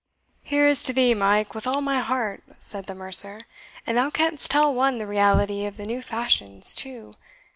"Here is to thee, Mike, with all my heart," said the mercer; "and thou canst tell one the reality of the new fashions too.